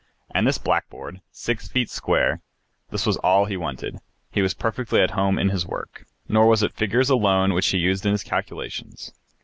And this blackboard, six feet square, this was all he wanted, he was perfectly at home in his work. Nor was it figures alone which he used in his calculations.